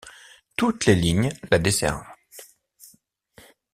Toutes les lignes la desservent.